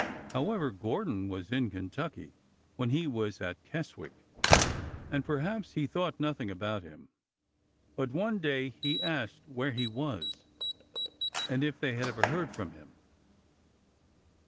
However, Gordon was in Kentucky when he was at Keswick, and perhaps he thought nothing about him. But one day he asked where he was, and if they ever heard from him.